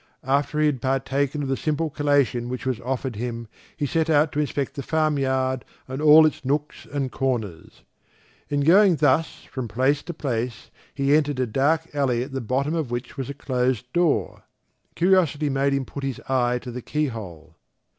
After he had partaken of the simple collation which was offered him he set out to inspect the farm yard and all its nooks and corners. In going thus from place to place, he entered a dark alley at the bottom of which was a closed door. Curiosity made him put his eye to the keyhole.